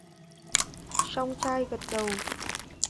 Song trai gật đầu